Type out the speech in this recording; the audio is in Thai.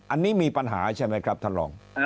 อันนี้มีปัญหาใช่ไหมครับท่านรอง